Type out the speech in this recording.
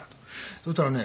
そしたらね